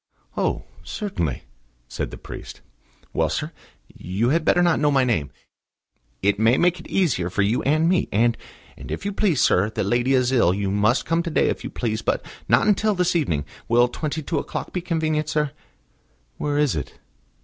"Oh! certainly," said the priest. "Well, sir, you had better not know my name. It it may make it easier for you and for me. And and, if you please, sir, the lady is ill; you must come to day, if you please, but not until the evening. Will twenty two o'clock be convenient, sir?" "Where is it?"